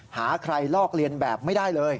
หาใครลอกเลียนแบบไม่ได้เลย